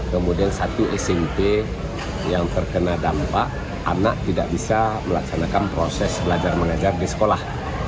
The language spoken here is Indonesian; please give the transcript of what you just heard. kemudian satu smp yang terkena dampak anak tidak bisa melaksanakan proses belajar mengajar di sekolah